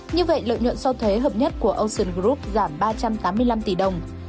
như vậy lợi nhuận sau thuế hợp nhất của ocean group giảm ba trăm tám mươi năm tỷ đồng